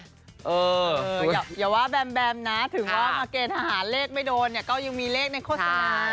อย่าว่าแบมแบมนะถึงว่ามาเกณฑ์ทหารเลขไม่โดนเนี่ยก็ยังมีเลขในโฆษณา